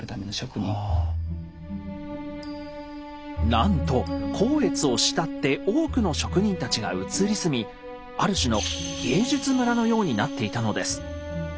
なんと光悦を慕って多くの職人たちが移り住みある種の芸術村のようになっていたのです。